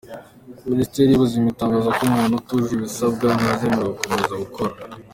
Minisiteri y’Ubuzima itangaza ko umuntu utujuje ibisabwa ntazemererwa gukomeza gukora.